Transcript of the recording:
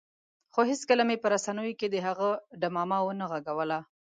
خو هېڅکله مې په رسنیو کې د هغه ډمامه ونه غږوله.